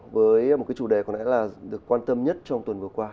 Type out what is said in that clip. chúng ta sẽ cùng bắt đầu với một chủ đề được quan tâm nhất trong tuần vừa qua